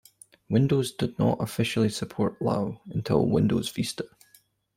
Windows did not officially support Lao until Windows Vista.